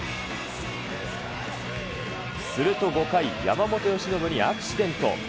すると５回、山本由伸にアクシデント。